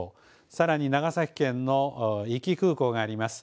さらに長崎県の壱岐空港があります。